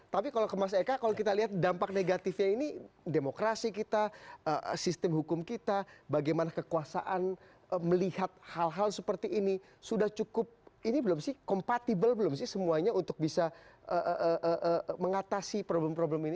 tapi kalau ke mas eka kalau kita lihat dampak negatifnya ini demokrasi kita sistem hukum kita bagaimana kekuasaan melihat hal hal seperti ini sudah cukup ini belum sih kompatibel belum sih semuanya untuk bisa mengatasi problem problem ini